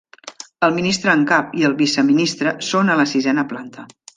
El ministre en cap i el vice-ministre, són a la sisena planta.